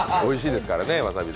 おいしいですからね。